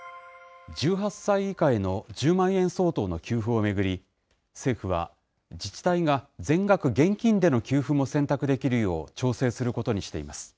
１８歳以下への１０万円相当の給付を巡り、政府は自治体が全額現金での給付も選択できるよう調整することにしています。